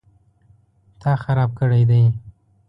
_تا خراب کړی دی؟